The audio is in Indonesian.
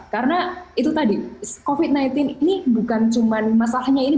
karena itu tadi covid sembilan belas ini bukan cuma masalahnya ini